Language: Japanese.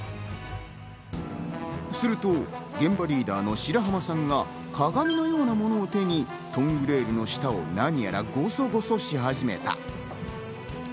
すると現場リーダーの白浜さんが鏡のようなものを手にトングレールの下を何やらゴソゴソとし始めた。